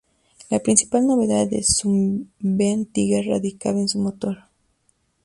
La principal novedad del Sunbeam Tiger radicaba en su motor.